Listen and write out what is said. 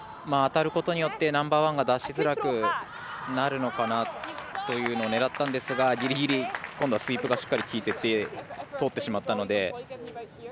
当たることによってナンバーワンが出しづらくなるのかなというのを狙ったんですがギリギリスイープがしっかり利いてて通ってしまったので。